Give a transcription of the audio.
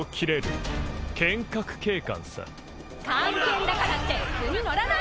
官憲だからって図に乗らないでよ！